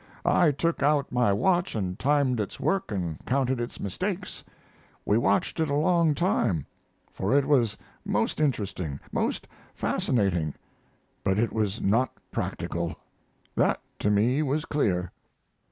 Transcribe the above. I took out my watch and timed its work and counted its mistakes. We watched it a long time, for it was most interesting, most fascinating, but it was not practical that to me was clear."